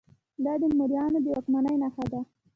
دا د موریانو د واکمنۍ نښه ده